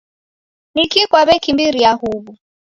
Niki kwaw'ekimbiria uw'u?